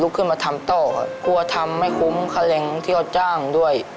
ก็กลัวทำไม่คุ้มคาแรงที่เขาจ้างด้วย